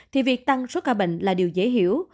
thì việc tăng số ca bệnh là điều dễ hiểu